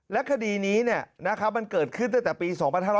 และคดีนี้มันเกิดขึ้นตั้งแต่ปี๒๕๕๙